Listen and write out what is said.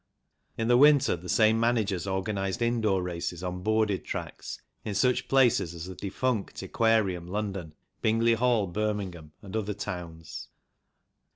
In the winter the same managers organized indoor races on boarded tracks at such places as the defunct Aquarium, London ; Bingley Hall, Birmingham ; and other towns.